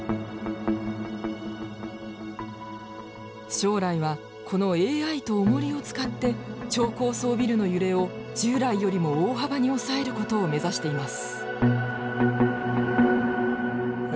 将来はこのＡＩとおもりを使って超高層ビルの揺れを従来よりも大幅に抑えることを目指しています。